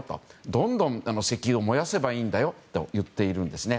どんどん石油を燃やせばいいんだと言っているんですね。